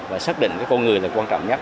và xác định con người là quan trọng nhất